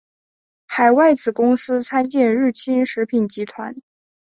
海外子公司参见日清食品集团。